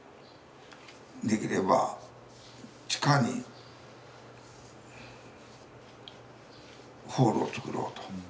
できれば地下にホールをつくろうと。